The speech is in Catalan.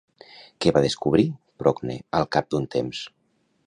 Què va descobrir Procne al cap d'un temps?